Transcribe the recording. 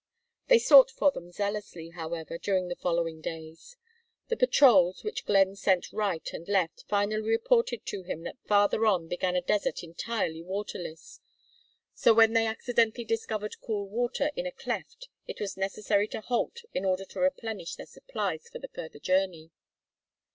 They sought for them zealously, however, during the following days. The patrols, which Glenn sent right and left, finally reported to him that farther on began a desert entirely waterless; so when they accidentally discovered cool water in a cleft it was necessary to halt in order to replenish their supplies for the further journey.